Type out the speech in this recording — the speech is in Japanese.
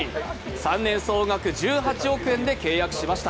３年総額１８億円で契約しました。